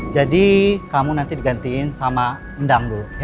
jadi kamu nanti digantiin sama endang dulu ya